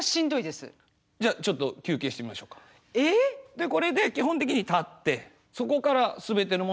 でこれで基本的に立ってそこから全ての物事が始まる。